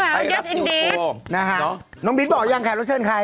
ครับยังไงยังไงน้องบิ๊บบอกยังไงเราเชิญใคร